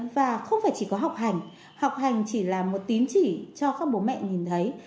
và không phải chỉ có học hành học hành chỉ là một tín chỉ cho các bố mẹ nhìn thấy